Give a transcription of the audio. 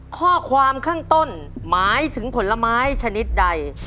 ข้อความข้างต้นหมายถึงผลไม้ชนิดใด